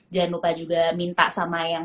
jangan lupa juga minta sama yang